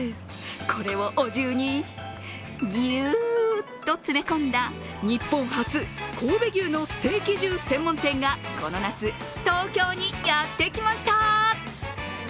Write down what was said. これをお重にぎゅっと詰め込んだ日本初神戸牛のステーキ重専門店がこの夏、東京にやってきました。